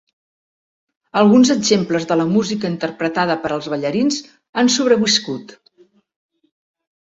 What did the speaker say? Alguns exemples de la música interpretada per als ballarins han sobreviscut.